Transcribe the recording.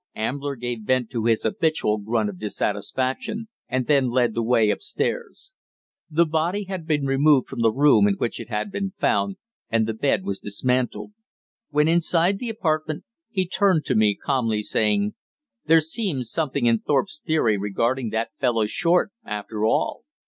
Ambler gave vent to his habitual grunt of dissatisfaction, and then led the way upstairs. The body had been removed from the room in which it had been found, and the bed was dismantled. When inside the apartment, he turned to me calmly, saying: "There seems something in Thorpe's theory regarding that fellow Short, after all."